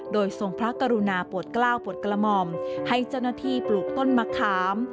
โดยทรงพระกรุณาโปรดกล้าวปลดกระหม่อมให้เจ้าหน้าที่ปลูกต้นมะขาม